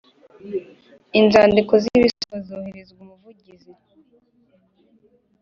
Inzandiko zibisaba zohererezwa umuvugizi